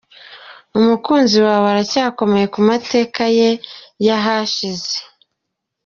Umukunzi wawe aracyakomeye ku mateka ye y’ahashize.